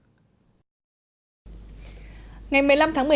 từ năm hai nghìn một mươi hai